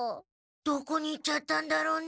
どこに行っちゃったんだろうね？